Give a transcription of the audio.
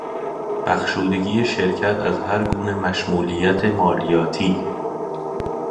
بخشودگی شرکت از هرگونه مشمولیت مالیاتی